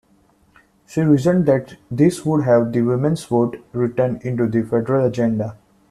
She reasoned that this would have the women's vote written into the Federal agenda.